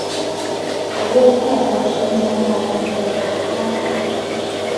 北魏太和十一年改为北安邑县。